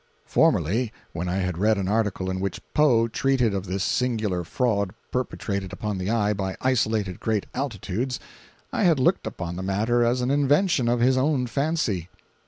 Formerly, when I had read an article in which Poe treated of this singular fraud perpetrated upon the eye by isolated great altitudes, I had looked upon the matter as an invention of his own fancy.